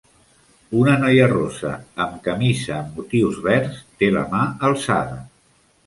Una noia rossa amb camisa amb motius verds té la mà alçada.